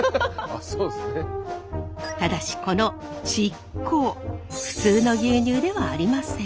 ただしこのチッコ普通の牛乳ではありません。